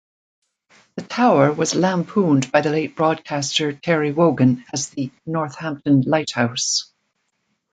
The tower was lampooned by the late broadcaster Terry Wogan as the "Northampton lighthouse".